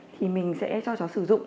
thì mình sẽ cho cháu sử dụng